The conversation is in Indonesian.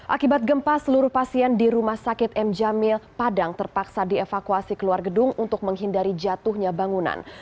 akibat gempa seluruh pasien di rumah sakit m jamil padang terpaksa dievakuasi keluar gedung untuk menghindari jatuhnya bangunan